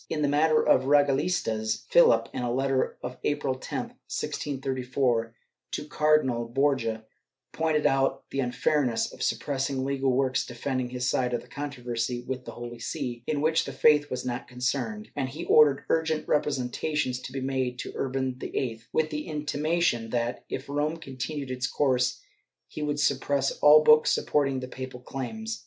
In the matter of the regalistas, Philip, in a letter of April 10, 1634, to Cardinal Borja, pointed out the unfairness of suppressing legal works defending his side of the controversy with the Holy See, in which the faith was not concerned, and he ordered urgent representations to be made to Urban VIII, with the intimation that, if Rome continued its course, he would suppress all books supporting the papal claims.